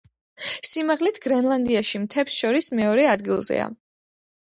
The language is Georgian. სიმაღლით გრენლანდიაში მთებს შორის მეორე ადგილზეა.